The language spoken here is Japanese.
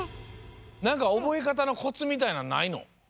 なんかおぼえかたのコツみたいなんないの？